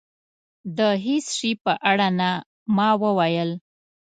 د هېڅ شي په اړه نه. ما وویل.